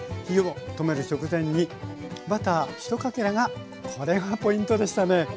火を止める直前にバター１かけらがこれがポイントでしたね。